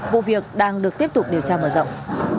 vụ việc đang được tiếp tục điều tra mở rộng